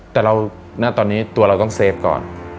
แต่ณตอนนี้ตัวเราต้องเซฟก่อน